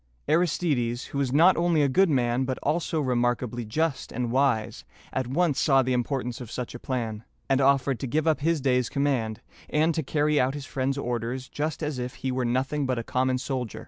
Aristides, who was not only a good man, but also remarkably just and wise, at once saw the importance of such a plan, and offered to give up his day's command, and to carry out his friend's orders just as if he were nothing but a common soldier.